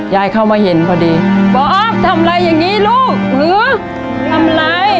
ยายเข้ามาเห็นพอดีบอกทำไรอย่างงี้ลูกหื้อทำไร